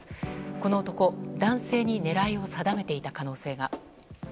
この男、男性に狙いを定めていた可能性が。